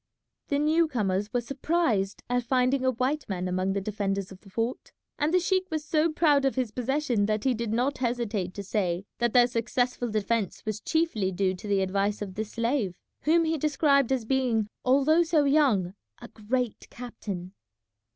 The new comers were surprised at finding a white man among the defenders of the fort; and the sheik was so proud of his possession that he did not hesitate to say that their successful defence was chiefly due to the advice of this slave, whom he described as being, although so young, a great captain.